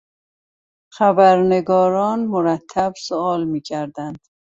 خبرنگاران مرتب سئوال میکردند.